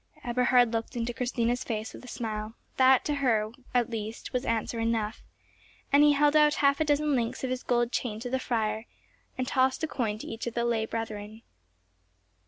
Eberhard looked into Christina's face with a smile, that to her, at least, was answer enough; and he held out half a dozen links of his gold chain to the friar, and tossed a coin to each of the lay brethren.